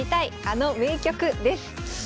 あの名局」です。